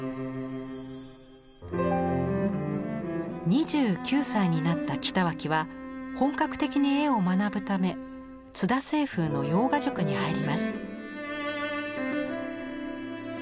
２９歳になった北脇は本格的に絵を学ぶため津田青楓の洋画塾に入ります。